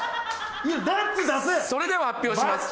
それでは発表します。